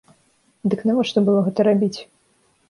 Дык навошта было гэта рабіць?